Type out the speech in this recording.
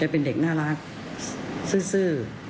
เป็นเด็กน่ารักซื่อ